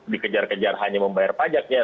dikejar kejar hanya membayar pajaknya